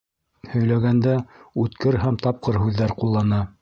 Һөйләгәндә үткер һәм тапҡыр һүҙҙәр ҡуллана.